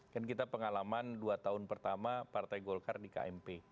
kan kita pengalaman dua tahun pertama partai golkar di kmp